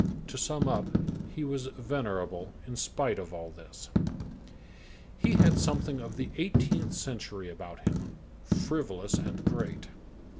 To sum up, he was venerable in spite of all this. He had something of the eighteenth century about him; frivolous and great.